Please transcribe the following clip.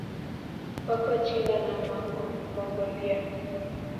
Wako China na Mongolia.